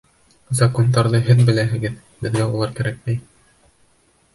— Закондарҙы һеҙ беләһегеҙ, беҙгә улар кәрәкмәй.